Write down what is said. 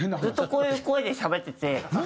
ずっとこういう声でしゃべってて。